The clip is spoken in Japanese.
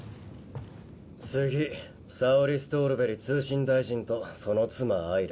次サウリ・ストールベリ通信大臣とその妻アイラ。